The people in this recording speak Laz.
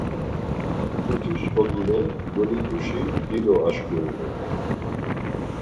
Mtutiş oğine golit̆uşi dido aşkurinu.